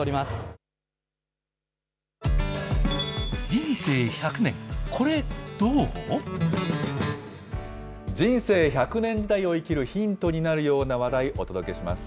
人生１００年これ、どーう？人生１００年時代を生きるヒントになるような話題、お届けします。